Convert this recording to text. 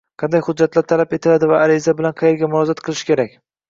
qanday hujjatlar talab etiladi va ariza bilan qayerga murojaat qilish kerak?